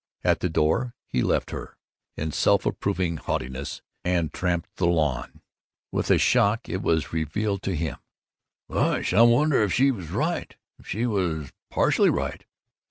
At the door he left her, in self approving haughtiness, and tramped the lawn. With a shock it was revealed to him: "Gosh, I wonder if she was right if she was partly right?"